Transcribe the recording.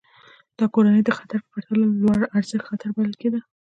دا د کورنۍ د خطر په پرتله لوړارزښت خطر بلل کېده.